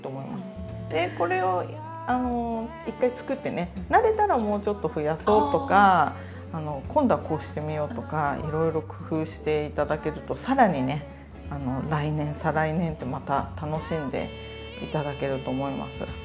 でこれを１回作ってね慣れたらもうちょっと増やそうとか今度はこうしてみようとかいろいろ工夫して頂けるとさらにね来年再来年とまた楽しんで頂けると思います。